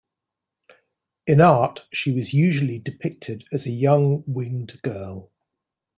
In art, she was usually depicted as a young winged girl.